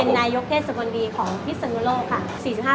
เป็นนายยกเทศกรณีของพิศนุโรคค่ะ